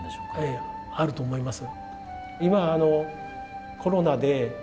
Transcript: ええあると思います。